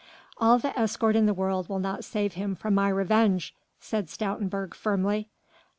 "All the escort in the world will not save him from my revenge," said Stoutenburg firmly.